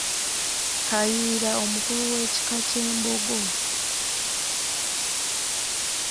Kayiira omukulu w’ekika ky’Embogo.